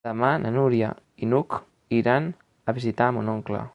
Demà na Núria i n'Hug iran a visitar mon oncle.